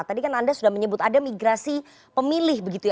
tadi kan anda sudah menyebut ada migrasi pemilih begitu ya